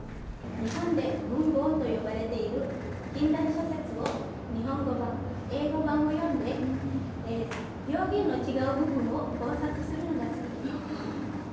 日本で文豪と呼ばれている近代小説を日本語版、英語版を読んで、表現の違う部分を考察するのが好きです。